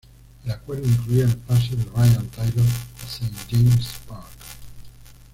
El acuerdo incluía el pase de Ryan Taylor a St James' Park.